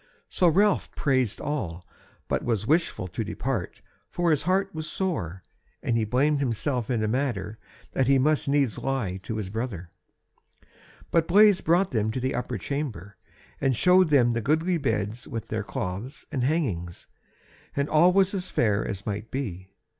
So Ralph praised all, but was wishful to depart, for his heart was sore, and he blamed himself in a manner that he must needs lie to his brother. But Blaise brought them to the upper chamber, and showed them the goodly beds with their cloths, and hangings, and all was as fair as might be.